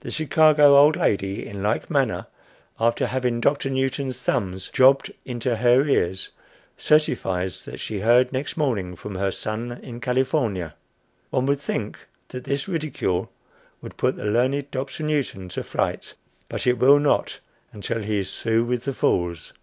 The Chicago old lady in like manner, after having had Doctor Newton's thumbs "jobbed" into her ears, certifies that she heard next morning from her son in California. One would think that this ridicule would put the learned Dr. Newton to flight; but it will not until he is through with the fools.